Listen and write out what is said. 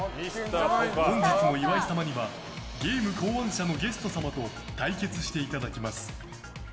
本日も岩井様にはゲーム考案者のゲスト様と対決していただきます。